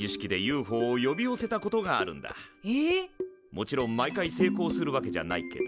もちろん毎回成功するわけじゃないけど。